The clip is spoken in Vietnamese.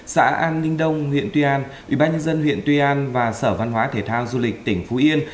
xã an ninh đông huyện tuy an ubnd huyện tuy an và sở văn hóa thể thao du lịch tỉnh phú yên